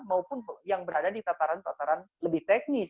maupun yang berada di tataran tataran lebih teknis